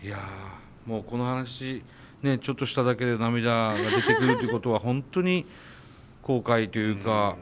この話ちょっとしただけで涙が出てくるっていうことは本当に後悔というか。